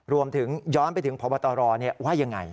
รวมถึงย้อนไปถึงพบตรว่ายังไง